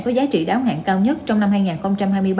có giá trị đáo hạn cao nhất trong năm hai nghìn hai mươi ba